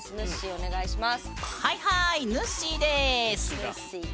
お願いします！